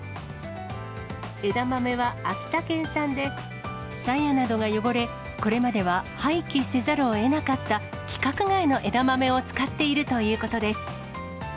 枝豆は秋田県産で、さやなどが汚れ、これまでは廃棄せざるをえなかった規格外の枝豆を使っているということです。